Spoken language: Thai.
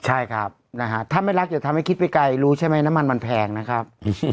ใช่ครับนะฮะถ้าไม่รักอย่าทำให้คิดไปไกลรู้ใช่ไหมน้ำมันมันแพงนะครับ